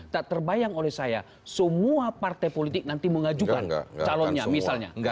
tak terbayang oleh saya semua partai politik nanti mengajukan calonnya misalnya